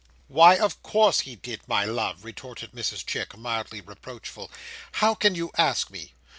"Why, of course he did, my love," retorted Mrs Chick, mildly reproachful. "How can you ask me?